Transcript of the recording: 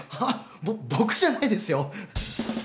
ぼぼくじゃないですよ。